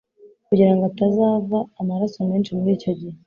kugirango atazava amaraso menshi muri icyo gihe.